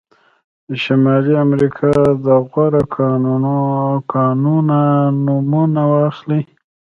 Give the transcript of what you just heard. د شمالي امریکا د غوره کانونه نومونه واخلئ.